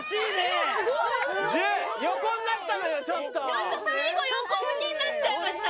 ちょっと最後横向きになっちゃいました。